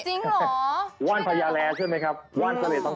มีอีกอย่างนึงเขาบอกว่าต่างจังหวัดมีการปลูกว่านกันงูด้วยพี่